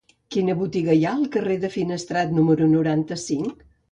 Quina botiga hi ha al carrer de Finestrat número noranta-cinc?